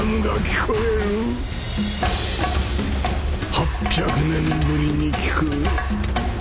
８００年ぶりに聞く。